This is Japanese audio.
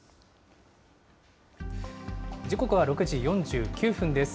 時刻は６時４９分です。